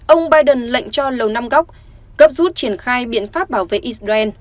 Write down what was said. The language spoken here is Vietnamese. ông biden lệnh cho lầu năm góc rút triển khai biện pháp bảo vệ israel